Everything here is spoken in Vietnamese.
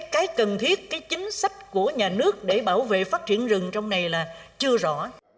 cái cần thiết cái chính sách của nhà nước để bảo vệ phát triển rừng trong này là chưa rõ